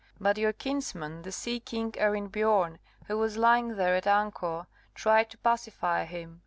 But your kinsman, the sea king Arinbiorn, who was lying there at anchor, tried to pacify him.